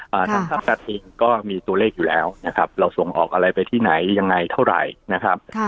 ทางภาครัฐเองก็มีตัวเลขอยู่แล้วนะครับเราส่งออกอะไรไปที่ไหนยังไงเท่าไหร่นะครับค่ะ